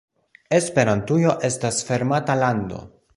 Esperantujo estas fermata lando.